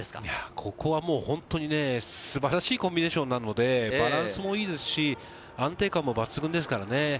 ここはもう本当に素晴らしいコンビネーションなので、バランスもいいですし、安定感も抜群ですからね。